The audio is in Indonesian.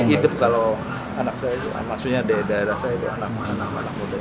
hidup kalau anak saya maksudnya di daerah saya itu anak anak muda